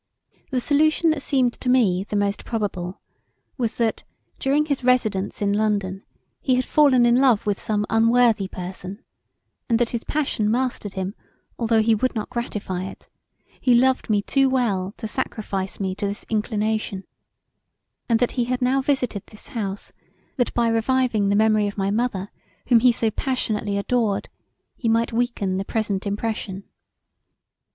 The solution that seemed to me the most probable was that during his residence in London he had fallen in love with some unworthy person, and that his passion mastered him although he would not gratify it: he loved me too well to sacrifise me to this inclination, and that he had now visited this house that by reviving the memory of my mother whom he so passionately adored he might weaken the present impression.